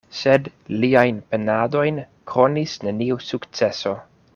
Sed liajn penadojn kronis neniu sukceso.